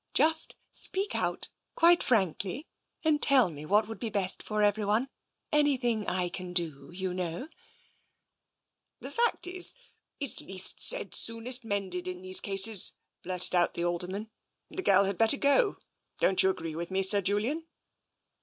" Just speak out, quite frankly, and tell me what would be best for everyone. Anything I can do, you know "" The fact is, it's least said soonest mended, in these cases," blurted out the Alderman. " The girl had bet ter go. Don't you agree with me, Sir Julian